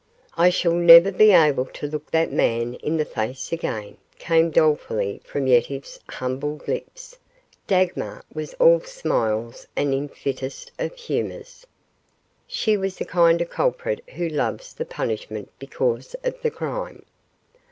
"I shall never be able to look that man in the face again," came dolefully from Yetive's humbled lips. Dagmar was all smiles and in the fittest of humors. She was the kind of a culprit who loves the punishment because of the crime.